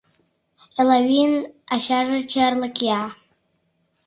...Элавийын ачаже черле кия.